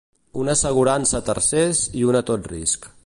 Una assegurança a tercers i una a tot risc.